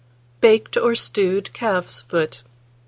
BAKED OR STEWED CALF'S FOOT.